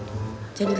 gak ada yang ngerti